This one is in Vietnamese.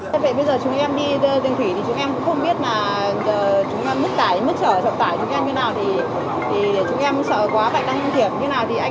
vậy bây giờ chúng em đi đường thủy thì chúng em cũng không biết là mức trở vận tải chúng em như thế nào